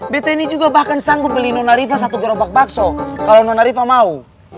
btni juga bahkan sanggup beli nona riva satu gerobak bakso kalau nona riva mau